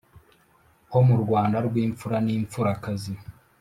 Ho mu Rwanda rw'imfura n’imfurakazi